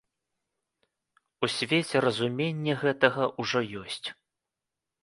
У свеце разуменне гэтага ўжо ёсць.